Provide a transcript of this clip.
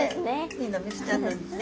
みんなメスちゃんなんですね。